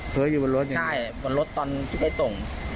เผ้ออยู่บนรถใช่บนรถตอนที่เขาส่ง